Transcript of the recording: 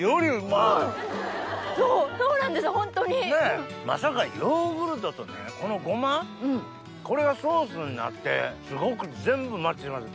まさかヨーグルトとねこのごまこれがソースになってすごく全部マッチします。